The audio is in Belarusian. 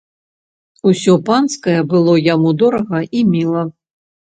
Усё панскае было яму дорага і міла.